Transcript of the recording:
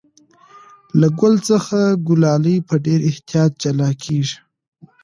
له ګل څخه کلالې په ډېر احتیاط جلا کېږي.